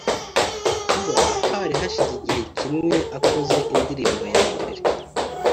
Kuba hari hari hashize igihe kinini akoze indirimbo ya mbere